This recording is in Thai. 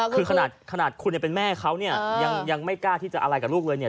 คือขนาดคุณเป็นแม่เขายังไม่กล้าที่จะอะไรกับลูกเลย